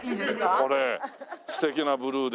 これ素敵なブルーで。